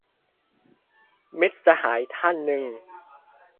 มิตรสหายท่านนึง